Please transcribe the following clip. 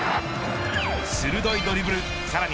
鋭いドリブルさらに